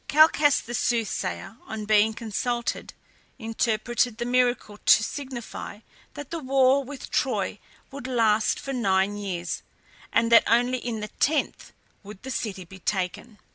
Calchas the soothsayer, on being consulted, interpreted the miracle to signify that the war with Troy would last for nine years, and that only in the tenth would the city be taken.